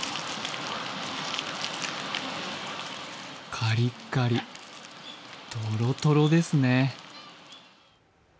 カリカリ、トロトロですね。